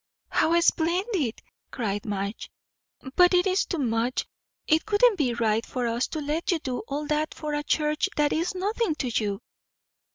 "How splendid!" cried Madge. "But it is too much; it wouldn't be right for us to let you do all that for a church that is nothing to you."